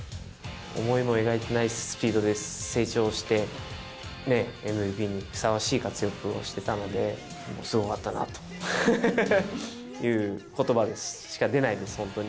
思いも描いてないスピードで成長してね、ＭＶＰにふさわしい活躍をしてたので、すごかったなということばしか出ないです、本当に。